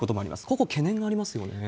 ここ、懸念がありますよね。